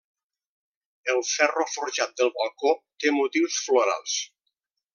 El ferro forjat del balcó té motius florals.